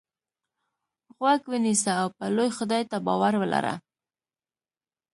غوږ ونیسه او په لوی خدای تل باور ولره.